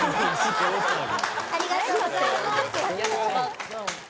ありがとうございます。